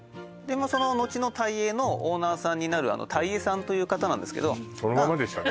そののちのタイエーのオーナーさんになる田家さんという方なんですけどそのままでしたね